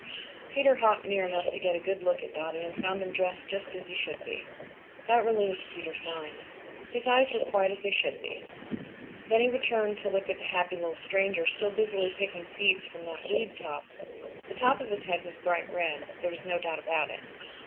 Peter hopped near enough to get a good look at Dotty and found him dressed just as he should be. That relieved Peter's mind. His eyes were quite as they should be. Then he returned to look at the happy little stranger still busily picking seeds from that weed top. The top of his head was bright red. There was no doubt about it.